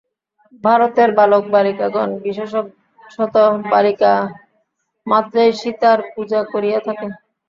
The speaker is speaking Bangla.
ভারতের বালকবালিকাগণ, বিশেষত বালিকামাত্রেই সীতার পূজা করিয়া থাকে।